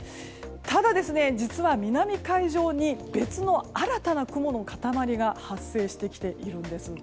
ただですね、実は南海上に別の新たな雲の塊が発生してきているんです。